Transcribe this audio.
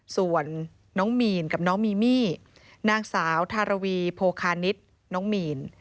ส่วนน้องมีนกับน้องมีมี่นางสาวทารวีโพคานิตน้องมีน